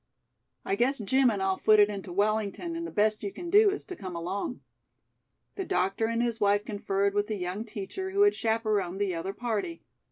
"I guess Jim and I'll foot it into Wellington and the best you can do is to come along." The doctor and his wife conferred with the young teacher who had chaperoned the other party.